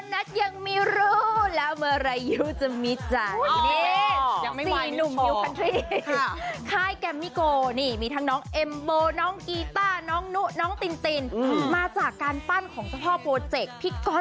น่ารักคนไหนก็ได้